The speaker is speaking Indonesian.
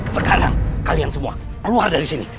sekarang kalian semua keluar dari sini